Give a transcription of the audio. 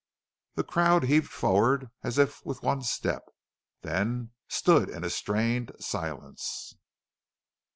The crowd heaved forward, as if with one step, then stood in a strained silence.